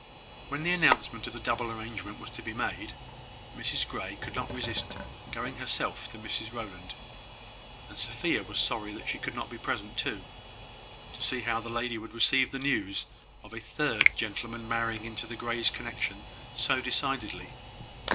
When the announcement of the double arrangement was to be made, Mrs Grey could not resist going herself to Mrs Rowland; and Sophia was sorry that she could not be present too, to see how the lady would receive the news of a third gentleman marrying into the Greys' connection so decidedly.